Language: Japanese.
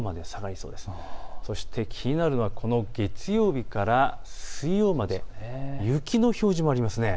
そして気になるのがこの月曜日から水曜日まで雪の表示もありますね。